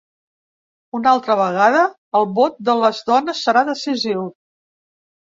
Una altra vegada, el vot de les dones serà decisiu.